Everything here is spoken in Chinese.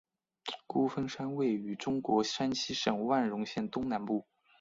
孤峰山位于中国山西省万荣县东南部。